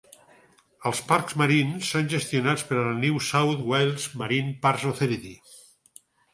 Els parcs marins són gestionats per la New South Wales Marine Parks Authority.